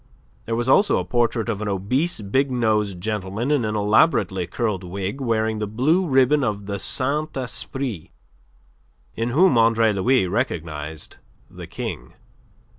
There was also a portrait of an obese, big nosed gentleman in an elaborately curled wig, wearing the blue ribbon of the Saint Esprit, in whom Andre Louis recognized the King.